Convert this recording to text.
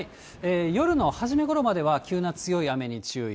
夜の初めごろまでは急な強い雨に注意。